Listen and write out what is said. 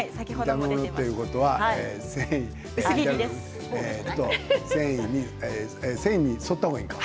ということは繊維に沿った方がいいんか。